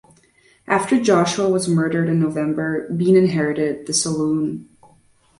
After Joshua was murdered in November, Bean inherited the saloon.